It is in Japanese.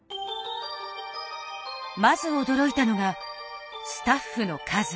まず驚いたのがスタッフの数。